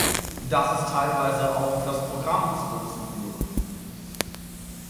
Das ist teilweise auch auf das Programm zurückzuführen.